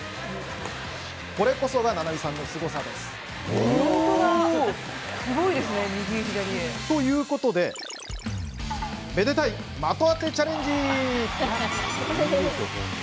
これこそが菜々美さんのすごさ。ということで、愛でたい的当てチャレンジ。